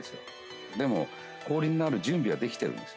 でも氷になる準備はできてるんですよね。